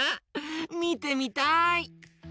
みてみたい！